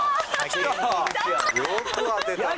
よく当てたな。